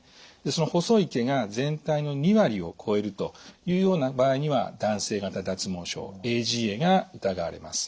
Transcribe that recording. その細い毛が全体の２割を超えるというような場合には男性型脱毛症ＡＧＡが疑われます。